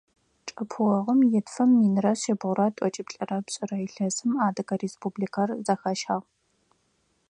Чъэпыогъум итфым минрэ шъибгьурэ тӀокӀиплӀырэ пшӀырэ илъэсым Адыгэ Республикэр зэхащагъ.